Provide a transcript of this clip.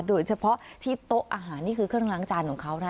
โดยเฉพาะที่โต๊ะอาหารนี่คือเครื่องล้างจานของเขานะ